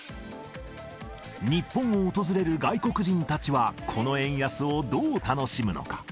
日本を訪れる外国人たちはこの円安をどう楽しむのか。